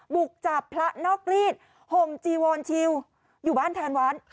บุกจับพระนอกรีดห่มจีวอนชิวอยู่บ้านแทนวัด